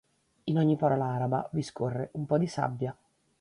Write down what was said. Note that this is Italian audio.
In ogni parola araba, vi scorre un po' di sabbia.